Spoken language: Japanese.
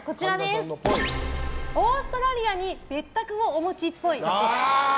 オーストラリアに別宅をお持ちっぽい。